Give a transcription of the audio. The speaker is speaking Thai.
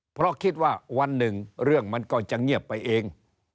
เพราะคิดว่าวันหนึ่งเรื่องมันก็จะเงียบไปเอง